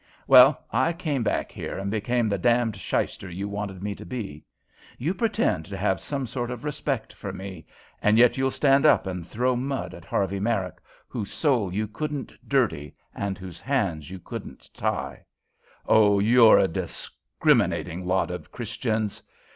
"Well, I came back here and became the damned shyster you wanted me to be. You pretend to have some sort of respect for me; and yet you'll stand up and throw mud at Harvey Merrick, whose soul you couldn't dirty and whose hands you couldn't tie. Oh, you're a discriminating lot of Christians!